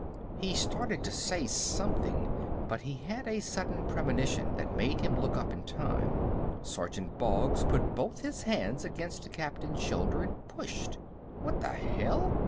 He started to say something, but he had a sudden premonition that made him look up in time. Sergeant Boggs put both hands against the Captain's shoulder and pushed. "What the hell?"